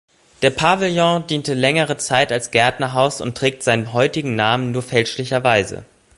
Der Pavillon diente längere Zeit als Gärtnerhaus und trägt seinen heutigen Namen nur fälschlicherweise.